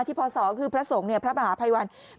ที่พอศอก็คือพระโสกเนี่ยพระมหาไพวัลไม่มี